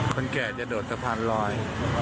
คนแก่จะโดดสะพานลอย